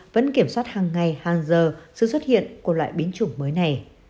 vẫn kiểm soát hàng ngày hàng giờ sự xuất hiện của loại biến chủng mới này